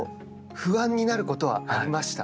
不安になることはありました。